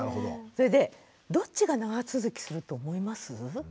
それでどっちが長続きすると思います？